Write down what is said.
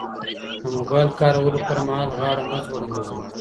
د موبایل کارولو پر مهال غاړه مه ځوړندوئ.